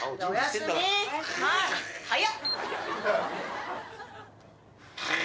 早っ。